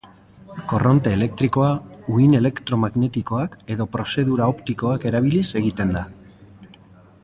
Korronte elektrikoa, uhin elektromagnetikoak edo prozedura optikoak erabiliz egiten da.